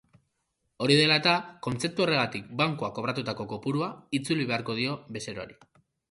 Hori dela eta, kontzeptu horregatik bankuak kobratutako kopurua itzuli beharko dio bezeroari.